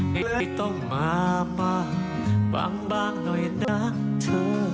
ไม่ต้องมาบ้างฟังบ้างหน่อยนะเธอ